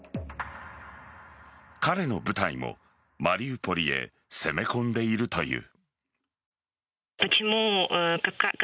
彼の部隊もマリウポリへ攻め込んでいるという。